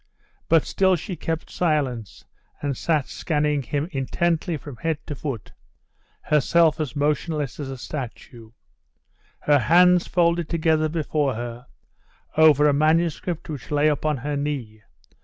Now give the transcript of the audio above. But still she kept silence, and sat scanning him intently from head to foot, herself as motionless as a statue; her hands folded together before her, over the manuscript which lay upon her knee.